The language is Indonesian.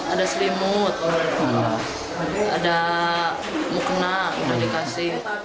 ada selimut ada mukena udah dikasih